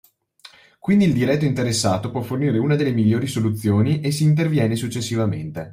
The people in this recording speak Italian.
Quindi il diretto interessato puó fornire una delle migliori soluzioni e si interviene successivamente.